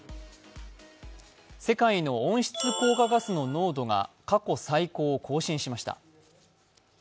世界の温室効果ガスの濃度が過去最高を更新しました。